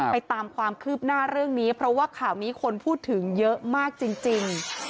ตามความคืบหน้าเรื่องนี้เพราะว่าข่าวนี้คนพูดถึงเยอะมากจริง